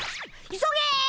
急げ！